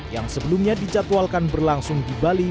yang sebelumnya dijadwalkan berlangsung di bali